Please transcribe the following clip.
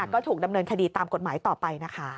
ก็ถูกดำเนินคดีตามกฎหมายต่อไปนะคะ